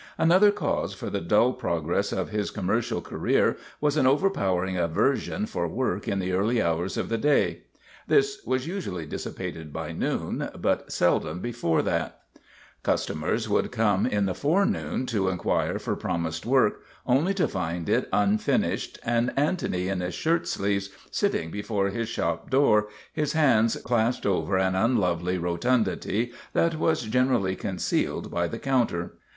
Another cause for the dull progress of his com mercial career was an overpowering aversion for work in the early hours of the day. This was usu ally dissipated by noon, but seldom before that. 75 76 MADNESS OF ANTONY SPATOLA Customers would come in the forenoon to inquire for promised work only to find it unfinished and Antony in his shirtsleeves sitting before his shop door, his hands clasped over an unlovely rotundity that was generally concealed by the counter.